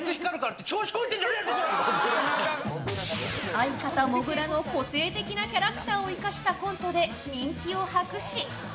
相方もぐらの個性的なキャラクターを生かしたコントで人気を博し